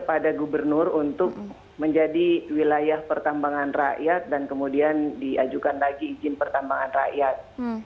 kepada gubernur untuk menjadi wilayah pertambangan rakyat dan kemudian diajukan lagi izin pertambangan rakyat